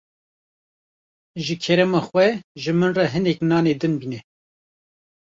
Ji kerema we, ji min re hinek nanê din bîne.